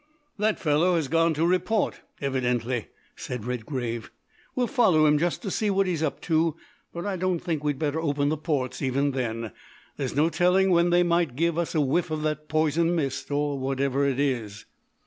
"That fellow has gone to report, evidently," said Redgrave. "We'll follow him just to see what he's up to, but I don't think we'd better open the ports even then. There's no telling when they might give us a whiff of that poison mist, or whatever it is."